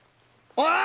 おい！